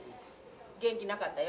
元気なかったよ。